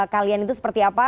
kalian itu seperti apa